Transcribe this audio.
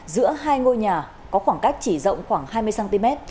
giữa hai ngôi nhà có khoảng cách chỉ rộng khoảng hai mươi cm